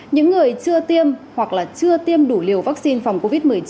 những người chưa tiêm hoặc là chưa tiêm đủ liều vaccine phòng covid một mươi chín